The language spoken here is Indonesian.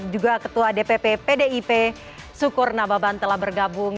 juga ketua dpp pdip sukur nababan telah bergabung